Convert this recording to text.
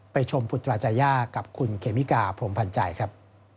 ชมปุตราจายากับคุณเคมิกาพรมพันธ์ใจครับ